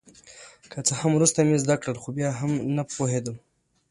که څه هم وروسته مې زده کړل خو بیا هم نه په پوهېدم.